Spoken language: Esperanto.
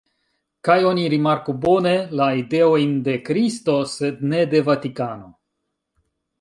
Kaj oni rimarku bone: la ideojn de Kristo sed ne de Vatikano.